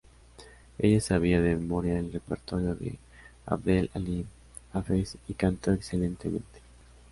Ella sabía de memoria el repertorio de Abdel Halim Hafez, y cantó excelentemente.